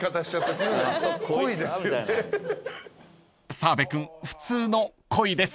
［澤部君普通のコイです］